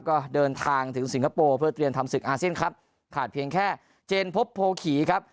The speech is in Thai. ก็เดินทางถึงสิงคโปร์เพื่อเตรียมทำศึกอาเซียนครับขาดเพียงแค่เจนพบโพขี่ครับ